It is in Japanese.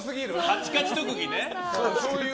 カチカチ特技ね。